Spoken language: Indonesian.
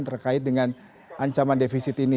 terkait dengan ancaman defisit ini